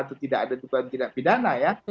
atau tidak ada dugaan tidak pidana ya